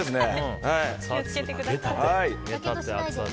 気を付けてください。